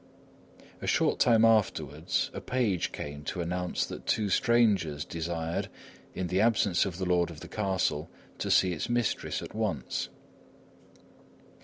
A short time afterwards, a page came to announce that two strangers desired, in the absence of the lord of the castle, to see its mistress at once.